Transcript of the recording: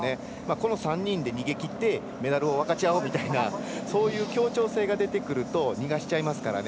この３人で逃げきってメダルを分かち合おうみたいなそういう協調性が出てくると逃がしちゃいますからね。